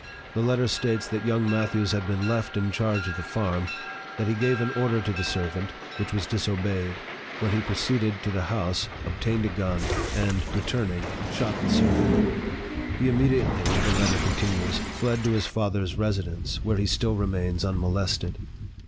The letter states that young Matthews had been left in charge of the farm ; that he gave an order to the ser vant, which was disobeyed, when he proceeded to the house, obtained a gun, and, returning, shot the servant. He immediately, the letter continues, fled to his father's residence, where he still remains unmolested."